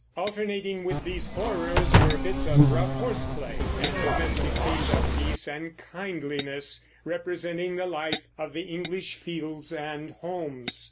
Alternating with these horrors were bits of rough horse play and domestic scenes of peace and kindliness, representing the life of the English fields and homes.